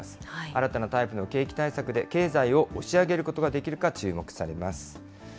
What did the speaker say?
新たなタイプの景気対策で経済を押し上げることができるか注目されます。